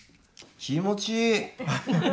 気持ちいい！